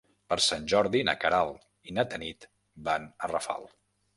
Per Sant Jordi na Queralt i na Tanit van a Rafal.